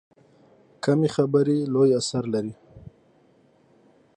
کمې خبرې، لوی اثر لري.